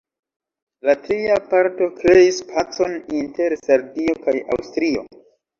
La tria parto kreis pacon inter Sardio kaj Aŭstrio.